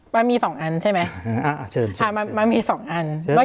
มันมีสองอันใช่ไหมอ่าอ่าเชิญเชิญอ่ามันมีสองอันเชิญเชิญเชิญ